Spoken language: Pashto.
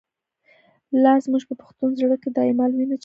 لاز موږ په پښتون زړه کی، ”دایمل” وینه چلیږی